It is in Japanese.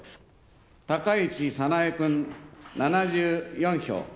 高市早苗君、７４票。